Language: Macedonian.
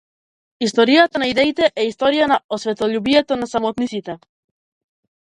Историјата на идеите е историја на осветољубието на самотниците.